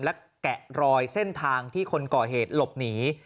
และแกะรอยเส้นทางที่คนก่อเหตุหลบหนี